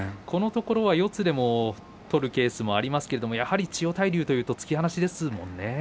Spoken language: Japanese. このところ四つでも取るケースがありますがやはり千代大龍というと突き放しですよね。